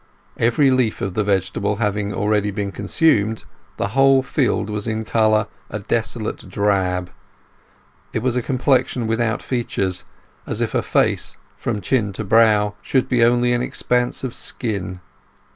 Every leaf of the vegetable having already been consumed, the whole field was in colour a desolate drab; it was a complexion without features, as if a face, from chin to brow, should be only an expanse of skin.